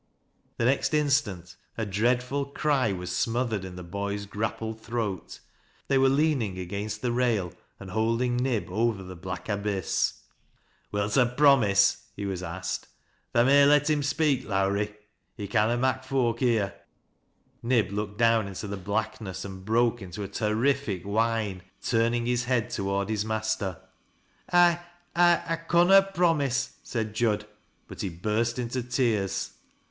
The next instant a dreadful cry was smothered in the boy's grappled throat. They were leaning against the •ail and holding Nib over the black abyss. 8AMM7 CBADDOOICS '' MANMT ENai8." IS*} '• Wilt ta promise ?" he was asked. " Tha may let hira «|>eak, Lowrie ; he eanna mak' foak hear." Nib looked down into the blackness, and broke into a tcnifi'j whine, turning his head toward his master. " I — 1 conna promise," said Jud ; but he burst into teais.